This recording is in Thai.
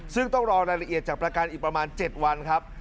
ซึ่งต้องรอรายละเอียดจากประกันอีกประมาณ๗วันครับ